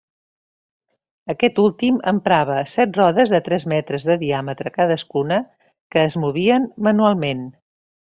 Aquest últim emprava set rodes de tres metres de diàmetre cadascuna, que es movien manualment.